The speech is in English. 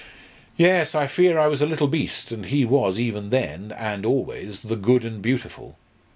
"Yes, I fear I was a little beast. And he was, even then, and always, 'the good and beautiful.'